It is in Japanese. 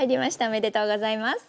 おめでとうございます。